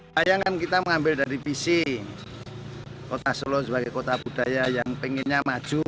bayangkan kita mengambil dari visi kota solo sebagai kota budaya yang pengennya maju